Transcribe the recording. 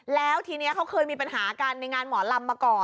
แล้วทีนี้เขาเคยมีปัญหากันในงานหมอลำมาก่อน